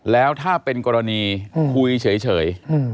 แล้วถ้าเป็นกรณีคุยเฉย